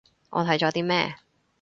我睇咗啲咩